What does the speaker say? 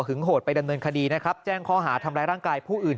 โหดไปดำเนินคดีนะครับแจ้งข้อหาทำร้ายร่างกายผู้อื่น